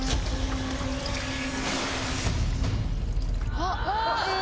あっ！